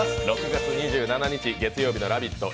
６月２７日月曜日の「ラヴィット！」